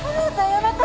やめて。